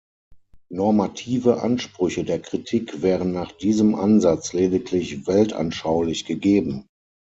Normative Ansprüche der Kritik wären nach diesem Ansatz lediglich weltanschaulich gegeben.